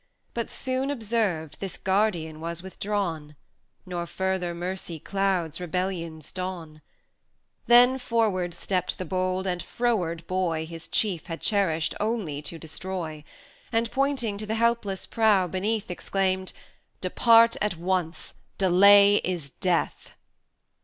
But soon observed, this guardian was withdrawn, Nor further Mercy clouds Rebellion's dawn. 150 Then forward stepped the bold and froward boy His Chief had cherished only to destroy, And, pointing to the helpless prow beneath, Exclaimed, "Depart at once! delay is death!"